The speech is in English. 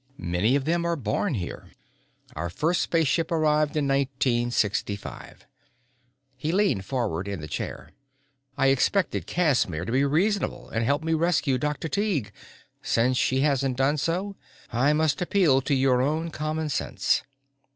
Many of them are born here. Our first spaceship arrived in Nineteen Sixty five." He leaned forward in the chair. "I expected Casimir to be reasonable and help me rescue Dr. Tighe. Since she hasn't done so I must appeal to your own common sense.